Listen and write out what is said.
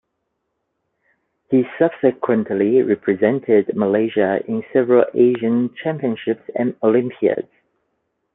He subsequently represented Malaysia in several Asian Championships and Olympiads.